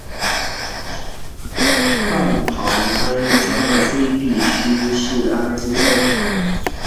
半胱氨酸的非必需氨基酸。